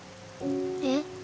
えっ？